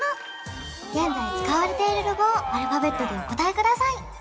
現在使われているロゴをアルファベットでお答えください！